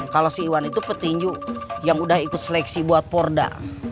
kalau si iwan itu petinju yang udah ikut seleksi buat porda